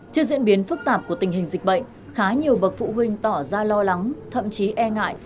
trước diễn biến phức tạp của tình hình dịch bệnh khá nhiều bậc phụ huynh tỏ ra lo lắng thậm chí e ngại